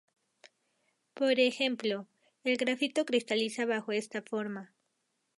Por ejemplo, el grafito cristaliza bajo esta forma.